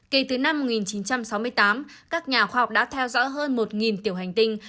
kể từ năm một nghìn chín trăm sáu mươi tám các nhà khoa học đã theo dõi hơn một tiểu hành tinh